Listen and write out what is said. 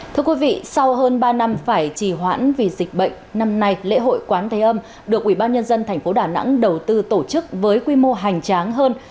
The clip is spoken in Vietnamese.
thưa quý vị sau hơn ba năm phải trì hoãn vì dịch bệnh năm nay lễ hội quán tây âm được ubnd tp đà nẵng đầu tư tổ chức với quy mô hoành tráng hơn